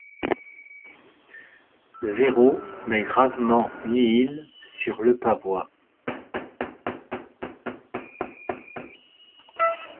Zéro met gravement Nihil sur le pavois.